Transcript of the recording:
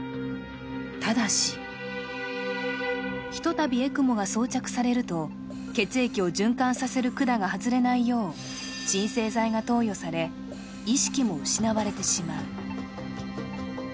ただし、一たびＥＣＭＯが装着されると血液を循環させる管が外れないよう鎮静剤が投与され、意識も失われてしまう。